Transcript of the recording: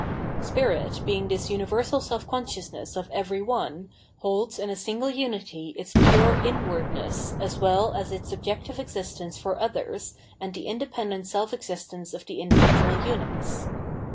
Spirit, being tbia universal self consciousness of every one, holds in a single unity its pure inwardness as well as its objective existence for others and the independent self existence of the individual units.